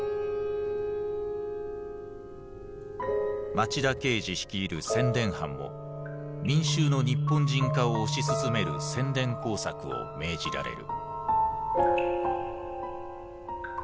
町田敬二率いる宣伝班も民衆の日本人化を推し進める宣伝工作を命じられる。